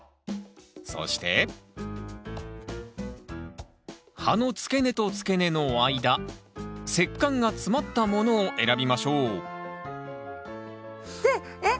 そして葉の付け根と付け根の間節間が詰まったものを選びましょうえっ？